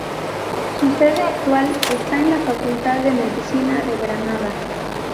Su sede actual está en la Facultad de Medicina de Granada.